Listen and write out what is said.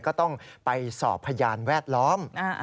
ก็ต้องไปสอบพยานแวดล้อม